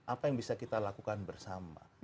apa yang bisa kita lakukan bersama